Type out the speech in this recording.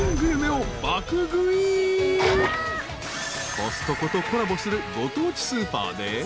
［コストコとコラボするご当地スーパーで］